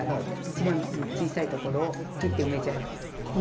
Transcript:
一番小さい所を切って埋めちゃえばいい。